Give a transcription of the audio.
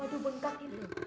aduh bengkak itu